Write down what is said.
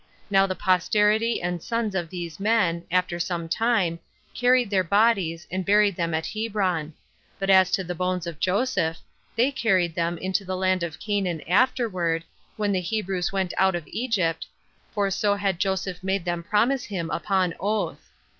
Now the posterity and sons of these men, after some time, carried their bodies, and buried them at Hebron: but as to the bones of Joseph, they carried them into the land of Canaan afterward, when the Hebrews went out of Egypt, for so had Joseph made them promise him upon oath.